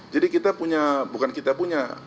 jadi kita punya bukan kita punya